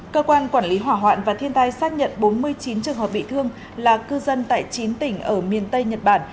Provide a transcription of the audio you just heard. cơ quan quản lý hỏa hoạn và thiên tai xác nhận bốn mươi chín trường hợp bị thương là cư dân tại chín tỉnh ở miền tây nhật bản